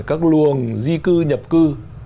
các luồng di cư nhập cư